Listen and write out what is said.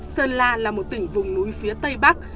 sơn la là một tỉnh vùng núi phía tây bắc